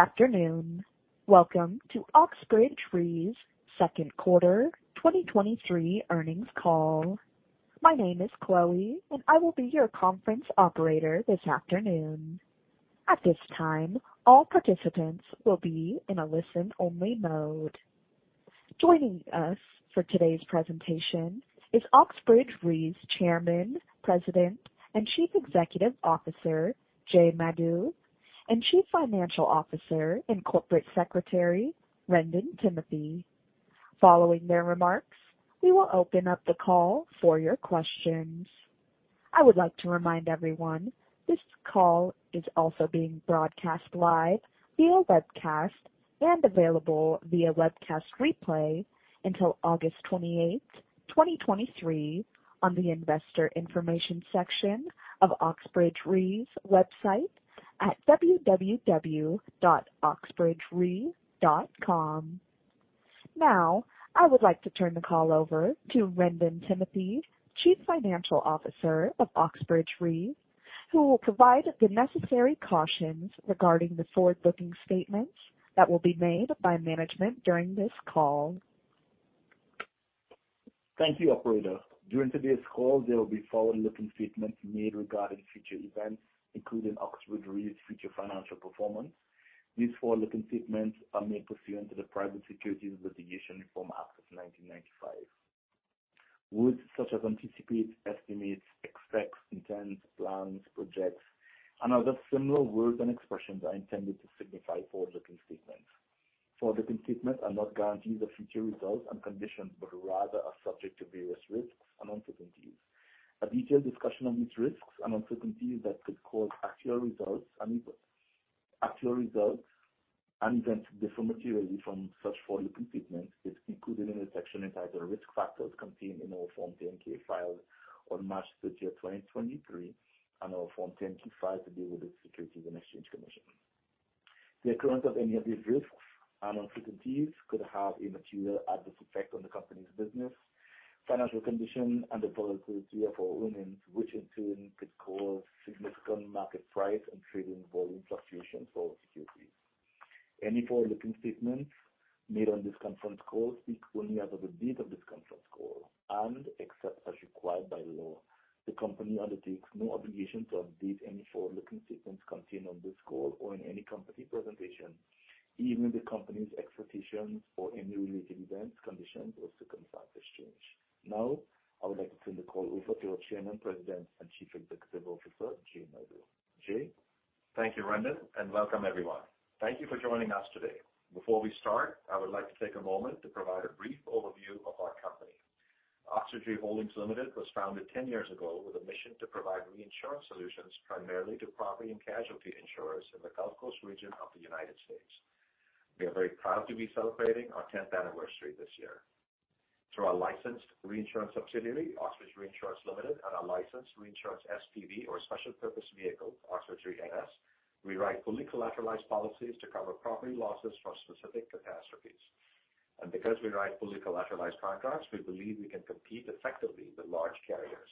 Good afternoon. Welcome to Oxbridge Re's second quarter 2023 earnings call. My name is Chloe, and I will be your conference operator this afternoon. At this time, all participants will be in a listen-only mode. Joining us for today's presentation is Oxbridge Re's Chairman, President, and Chief Executive Officer, Jay Madhu, and Chief Financial Officer and Corporate Secretary, Wrendon Timothy. Following their remarks, we will open up the call for your questions. I would like to remind everyone, this call is also being broadcast live via webcast and available via webcast replay until August 28, 2023, on the investor information section of Oxbridge Re's website at www.oxbridgere.com. Now, I would like to turn the call over to Wrendon Timothy, Chief Financial Officer of Oxbridge Re, who will provide the necessary cautions regarding the forward-looking statements that will be made by management during this call. Thank you, operator. During today's call, there will be forward-looking statements made regarding future events, including Oxbridge Re's future financial performance. These forward-looking statements are made pursuant to the Private Securities Litigation Reform Act of 1995. Words such as anticipate, estimates, expects, intends, plans, projects, and other similar words and expressions are intended to signify forward-looking statements. Forward-looking statements are not guarantees of future results and conditions, but rather are subject to various risks and uncertainties. A detailed discussion of these risks and uncertainties that could cause actual results and even, actual results and events to differ materially from such forward-looking statements is included in the section entitled Risk Factors contained in our Form 10-K filed on March 30, 2023, and our Form 10-K-5 with the Securities and Exchange Commission. The occurrence of any of these risks and uncertainties could have a material adverse effect on the company's business, financial condition, and the volatility of our earnings, which in turn could cause significant market price and trading volume fluctuations for our securities. Any forward-looking statements made on this conference call speak only as of the date of this conference call. Except as required by law, the company undertakes no obligation to update any forward-looking statements contained on this call or in any company presentation, even the company's expectations for any related events, conditions, or circumstances change. Now, I would like to turn the call over to our Chairman, President, and Chief Executive Officer, Jay Madhu. Jay? Thank you, Wrendon, and welcome, everyone. Thank you for joining us today. Before we start, I would like to take a moment to provide a brief overview of our company. Oxbridge Re Holdings Limited was founded 10 years ago with a mission to provide reinsurance solutions primarily to property and casualty insurers in the Gulf Coast region of the United States. We are very proud to be celebrating our tenth anniversary this year. Through our licensed reinsurance subsidiary, Oxbridge Reinsurance Limited, and our licensed reinsurance SPV, or Special Purpose Vehicle, Oxbridge Re US, we write fully collateralized policies to cover property losses from specific catastrophes. Because we write fully collateralized contracts, we believe we can compete effectively with large carriers.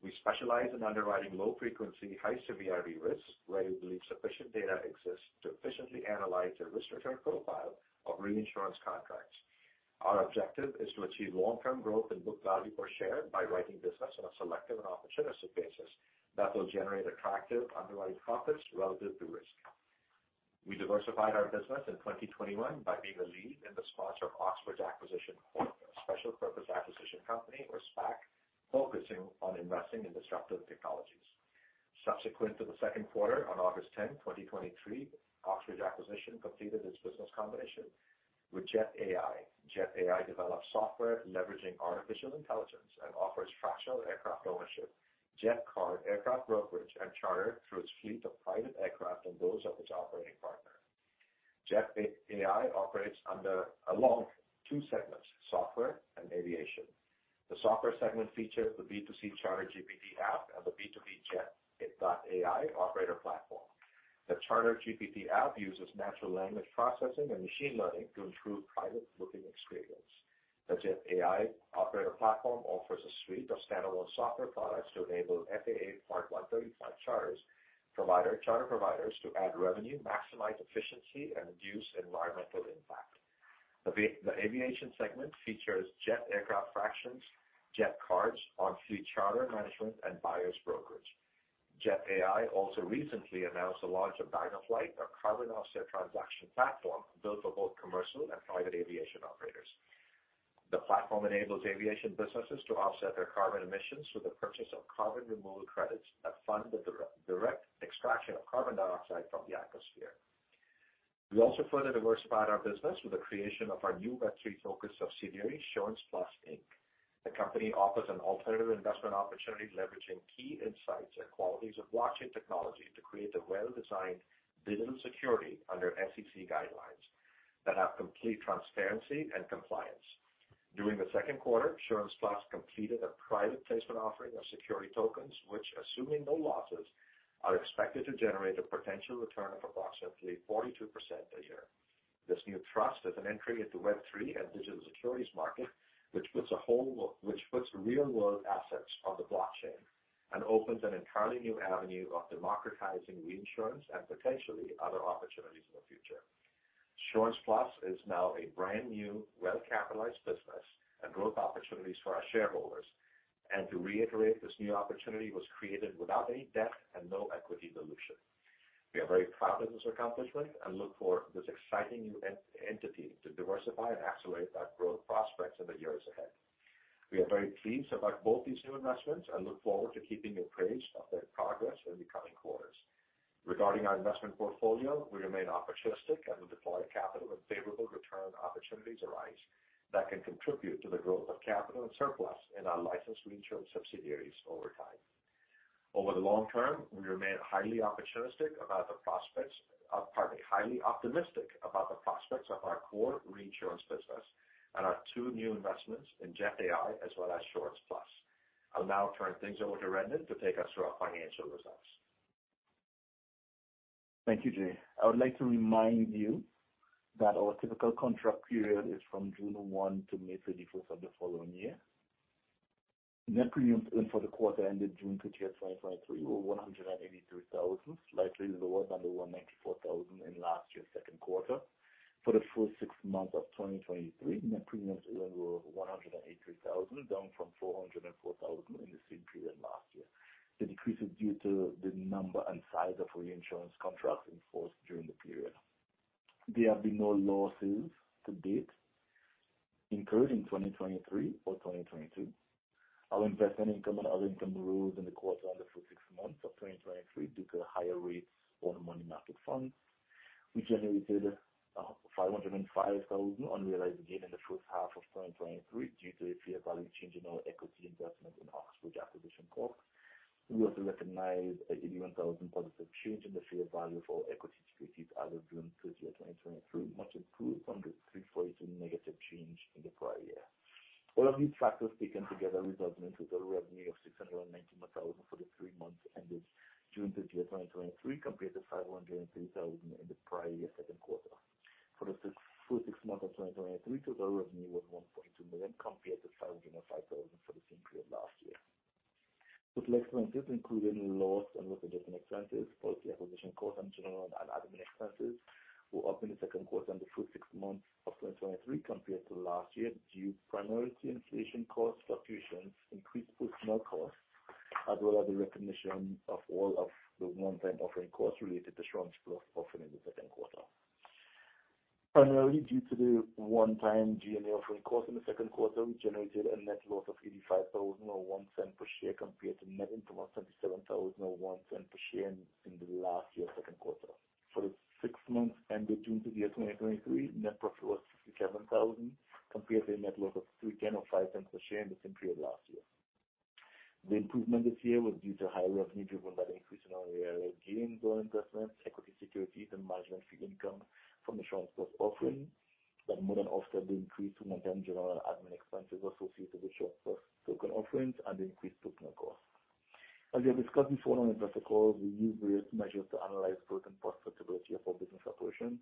We specialize in underwriting low-frequency, high-severity risks, where we believe sufficient data exists to efficiently analyze the risk return profile of reinsurance contracts. Our objective is to achieve long-term growth in book value per share by writing business on a selective and opportunistic basis that will generate attractive underwriting profits relative to risk. We diversified our business in 2021 by being the lead and the sponsor of Oxbridge Acquisition Corp, a special purpose acquisition company, or SPAC, focusing on investing in disruptive technologies. Subsequent to the second quarter on August 10, 2023, Oxbridge Acquisition completed its business combination with Jet.AI. Jet.AI develops software leveraging artificial intelligence and offers fractional aircraft ownership, Jet Card, aircraft brokerage, and charter through its fleet of private aircraft and those of its operating partner. Jet.AI operates under along two segments: software and aviation. The software segment features the B2C CharterGPT app and the B2B Jet.AI operator platform. The CharterGPT app uses natural language processing and machine learning to improve private booking experience. The Jet.AI operator platform offers a suite of standalone software products to enable FAA Part 135 charter provider, charter providers to add revenue, maximize efficiency, and reduce environmental impact. The aviation segment features jet aircraft fractions, Jet Cards, on-suite charter management, and buyers brokerage. Jet.AI also recently announced the launch of DynoFlight, a carbon offset transaction platform built for both commercial and private aviation operators. The platform enables aviation businesses to offset their carbon emissions through the purchase of carbon removal credits that fund the direct extraction of carbon dioxide from the atmosphere. We also further diversified our business with the creation of our new Web3-focused subsidiary, SurancePlus Inc. The company offers an alternative investment opportunity, leveraging key insights and qualities of blockchain technology to create a well-designed digital security under SEC guidelines that have complete transparency and compliance. During the second quarter, SurancePlus completed a private placement offering of security tokens, which, assuming no losses, are expected to generate a potential return of approximately 42%. This new trust is an entry into Web3 and digital securities market, which puts real world assets on the blockchain and opens an entirely new avenue of democratizing reinsurance and potentially other opportunities in the future. SurancePlus is now a brand new, well-capitalized business and growth opportunities for our shareholders. To reiterate, this new opportunity was created without any debt and no equity dilution. We are very proud of this accomplishment and look for this exciting new entity to diversify and accelerate our growth prospects in the years ahead. We are very pleased about both these new investments and look forward to keeping you appraised of their progress in the coming quarters. Regarding our investment portfolio, we remain opportunistic and will deploy capital when favorable return opportunities arise that can contribute to the growth of capital and surplus in our licensed reinsurance subsidiaries over time. Over the long term, we remain highly opportunistic about the prospects of, pardon me, highly optimistic about the prospects of our core reinsurance business and our 2 new investments in Jet.AI as well as SurancePlus. I'll now turn things over to Rendon to take us through our financial results. Thank you, Jay. I would like to remind you that our typical contract period is from June 1 to May 31st of the following year. Net premiums earned for the quarter ended June 30, 2023, were $183,000, slightly lower than the $194,000 in last year's second quarter. For the full six months of 2023, net premiums earned were $183,000, down from $404,000 in the same period last year. The decrease is due to the number and size of reinsurance contracts in force during the period. There have been no losses to date incurred in 2023 or 2022. Our investment income and other income rose in the quarter and the full six months of 2023, due to higher rates on money market funds. We generated $505,000 unrealized gain in the first half of 2023 due to a fair value change in our equity investment in Oxbridge Acquisition Corp. We also recognized an $81,000 positive change in the fair value for equity securities as of June 30, 2023, much improved from the $342 negative change in the prior year. All of these factors, taken together, resulted in total revenue of $691,000 for the three months ended June 30, 2023, compared to $503,000 in the prior year second quarter. For the full six months of 2023, total revenue was $1.2 million, compared to $505,000 for the same period last year. Total expenses, including losses and loss adjustment expenses, policy acquisition costs, and general and admin expenses, were up in the second quarter and the full six months of 2023 compared to last year, due primarily to inflation cost fluctuations, increased personal costs, as well as the recognition of all of the one-time offering costs related to Shorts Plus offering in the second quarter. Primarily due to the one-time G&A offering cost in the second quarter, we generated a net loss of $85,000 or $0.01 per share, compared to net income of $77,000 or $0.01 per share in the last year second quarter. For the six months ended June 20th, 2023, net profit was $67,000, compared to a net loss of $310 or $0.05 per share in the same period last year. The improvement this year was due to higher revenue, driven by an increase in our gains on investments, equity securities, and management fee income from the Shorts Plus offering, more than offset the increase in non-general admin expenses associated with Shorts Plus token offerings and increased personal costs. As we have discussed before on the press call, we use various measures to analyze both and profitability of our business operations.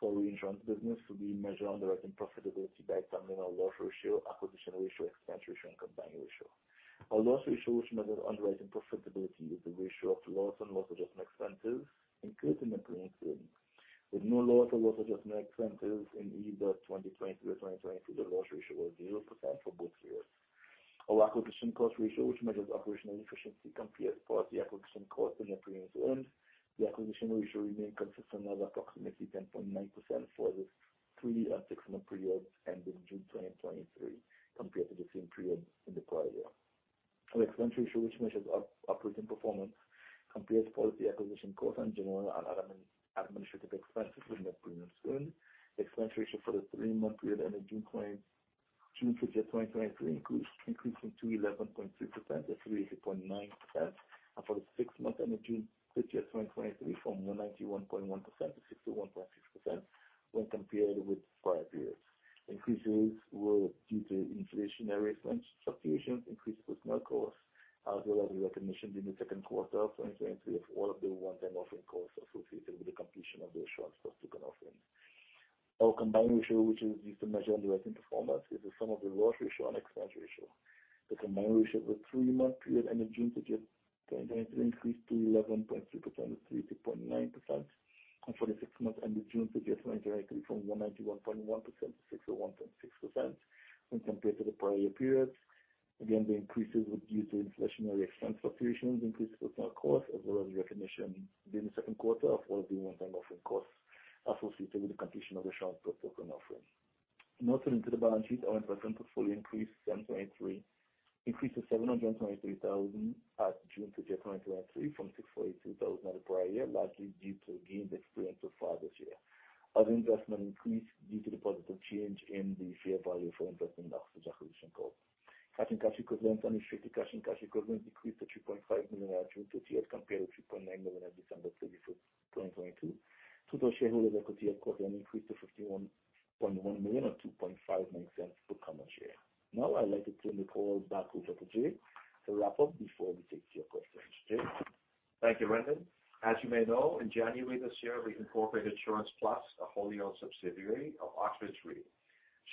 For reinsurance business, we measure underwriting profitability by examining our loss ratio, acquisition ratio, expense ratio, and combined ratio. Our loss ratio, which measures underwriting profitability, is the ratio of losses and loss adjustment expenses included in the premium earned. With no loss or loss adjustment expenses in either 2020 or 2022, the loss ratio was 0% for both years. Our acquisition cost ratio, which measures operational efficiency, compares policy acquisition costs and premiums earned. The acquisition ratio remained consistent at approximately 10.9% for the three and six-month periods ending June 2023, compared to the same period in the prior year. Our expense ratio, which measures operating performance, compares policy acquisition costs and general and administrative expenses with net premiums earned. Expense ratio for the three-month period ending June 20, 2023, increased from to 11.6% to 3.9%, and for the six months ending June 20, 2023, from 191.1% to 61.6% when compared with prior periods. Increases were due to inflationary expense fluctuations, increased personal costs, as well as the recognition in the second quarter of 2023 of all of the one-time offering costs associated with the completion of the Shorts Plus token offering. Our combined ratio, which is used to measure underwriting performance, is the sum of the loss ratio and expense ratio. The combined ratio for the 3-month period ending June 20, 2023, increased to 11.3% to 3.9%, and for the 6 months ending June 20, 2023, from 191.1% to 61.6% when compared to the prior year periods. Again, the increases were due to inflationary expense fluctuations, increased personal costs, as well as recognition in the second quarter of all the one-time offering costs associated with the completion of the Shorts Plus token offering. Moving to the balance sheet, our investment portfolio increased to $723,000 at June 20, 2023, from $642,000 at the prior year, largely due to gains experienced so far this year. Other investment increased due to the positive change in the fair value for investment in Oxbridge Acquisition Corp. Cash and cash equivalents, unrestricted cash and cash equivalents decreased to $3.5 million at June 20th compared to $3.9 million at December 31st, 2022. Total shareholder equity at quarter increased to $51.1 million, or $0.0259 per common share. I'd like to turn the call back over to Jay to wrap up before we take your questions. Jay?... Thank you, Rendon. As you may know, in January this year, we incorporated SurancePlus, a wholly-owned subsidiary of Oxbridge Re.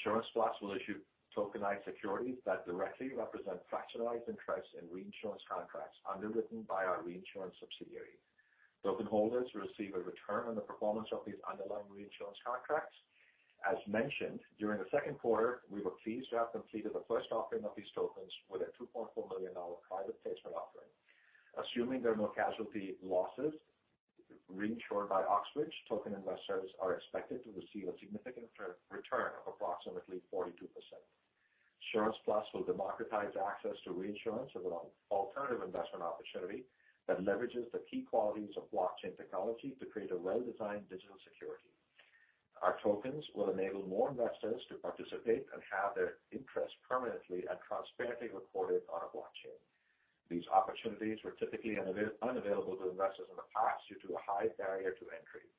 SurancePlus will issue tokenized securities that directly represent fractionalized interests in reinsurance contracts underwritten by our reinsurance subsidiary. Token holders receive a return on the performance of these underlying reinsurance contracts. As mentioned, during the second quarter, we were pleased to have completed the first offering of these tokens with a $2.4 million private placement offering. Assuming there are no casualty losses reinsured by Oxbridge, token investors are expected to receive a significant return of approximately 42%. SurancePlus will democratize access to reinsurance of an alternative investment opportunity that leverages the key qualities of blockchain technology to create a well-designed digital security. Our tokens will enable more investors to participate and have their interests permanently and transparently recorded on a blockchain. These opportunities were typically unavailable to investors in the past due to a high barrier to entry.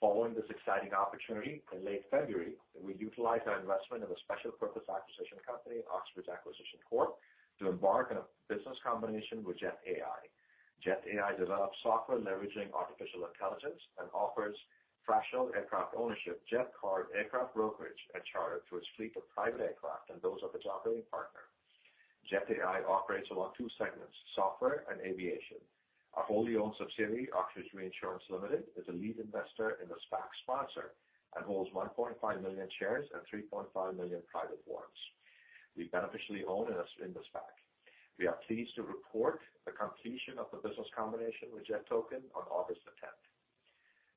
Following this exciting opportunity, in late February, we utilized our investment in a special purpose acquisition company, Oxbridge Acquisition Corp., to embark on a business combination with Jet.AI. Jet.AI develops software leveraging artificial intelligence and offers fractional aircraft ownership, Jet Card, aircraft brokerage, and charter to its fleet of private aircraft and those of its operating partner. Jet.AI operates along two segments, software and aviation. Our wholly owned subsidiary, Oxbridge Reinsurance Limited, is a lead investor in the SPAC sponsor and holds 1.5 million shares and 3.5 million private warrants. We beneficially own in the, in the SPAC. We are pleased to report the completion of the business combination with Jet Token on August 10th.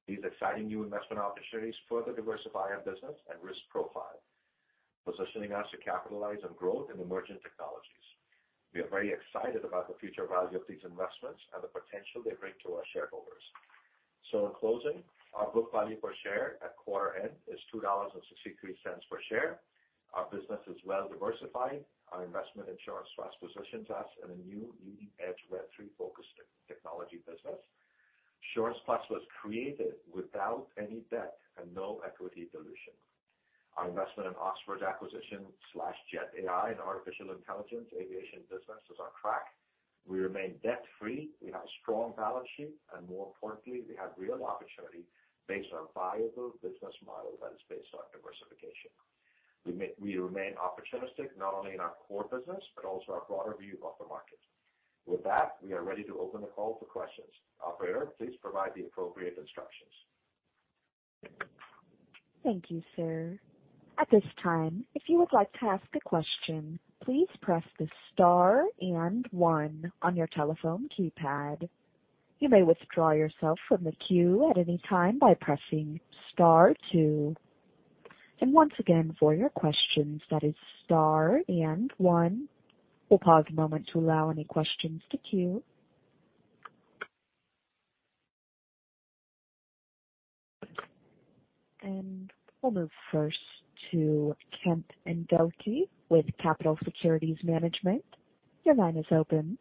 These exciting new investment opportunities further diversify our business and risk profile, positioning us to capitalize on growth in emerging technologies. We are very excited about the future value of these investments and the potential they bring to our shareholders. In closing, our book value per share at quarter end is $2.63 per share. Our business is well diversified. Our investment in SurancePlus positions us in a new leading-edge Web3-focused technology business. SurancePlus was created without any debt and no equity dilution. Our investment in Oxbridge Acquisition/Jet.AI and artificial intelligence aviation business is on track. We remain debt-free, we have a strong balance sheet, and more importantly, we have real opportunity based on a viable business model that is based on diversification. We remain opportunistic, not only in our core business, but also our broader view of the market. With that, we are ready to open the call for questions. Operator, please provide the appropriate instructions. Thank you, sir. At this time, if you would like to ask a question, please press the star and one on your telephone keypad. You may withdraw yourself from the queue at any time by pressing star two. Once again, for your questions, that is star and one. We'll pause a moment to allow any questions to queue. We'll move first to Kent Engelke with Capitol Securities Management. Your line is open.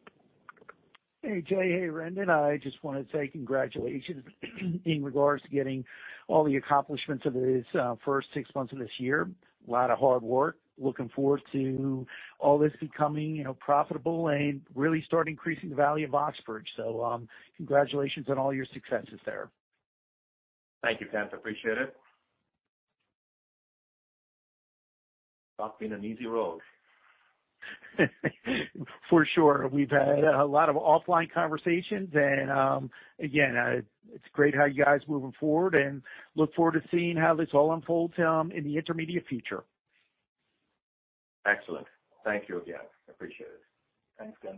Hey, Jay. Hey, Rendon. I just want to say congratulations in regards to getting all the accomplishments of this, first six months of this year. A lot of hard work. Looking forward to all this becoming, you know, profitable and really start increasing the value of Oxbridge. Congratulations on all your successes there. Thank you, Kent. Appreciate it. It's not been an easy road. For sure. We've had a lot of offline conversations, and, again, it's great how you guys are moving forward and look forward to seeing how this all unfolds, in the intermediate future. Excellent. Thank you again. Appreciate it. Thanks, Kent.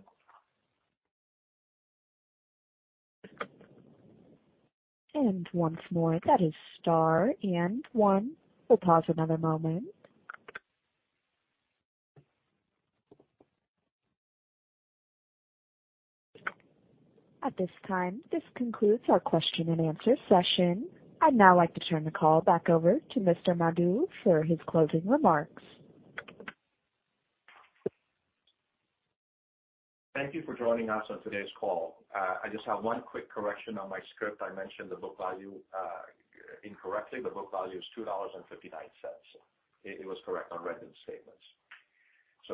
Once more, that is star and 1. We'll pause another moment. At this time, this concludes our question and answer session. I'd now like to turn the call back over to Mr. Madhu for his closing remarks. Thank you for joining us on today's call. I just have one quick correction on my script. I mentioned the book value, incorrectly. The book value is $2.59. It was correct on Rendon's statements.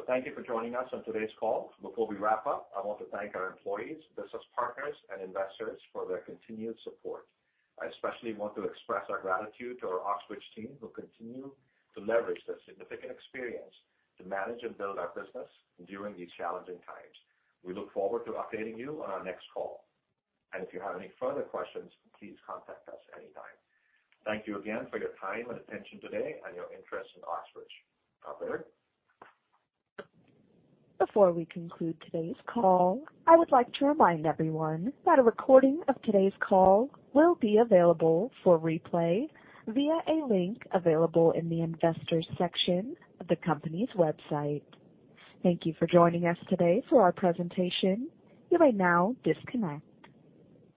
Thank you for joining us on today's call. Before we wrap up, I want to thank our employees, business partners, and investors for their continued support. I especially want to express our gratitude to our Oxbridge team, who continue to leverage their significant experience to manage and build our business during these challenging times. We look forward to updating you on our next call, and if you have any further questions, please contact us anytime. Thank you again for your time and attention today and your interest in Oxbridge. Operator? Before we conclude today's call, I would like to remind everyone that a recording of today's call will be available for replay via a link available in the Investors section of the company's website. Thank you for joining us today for our presentation. You may now disconnect.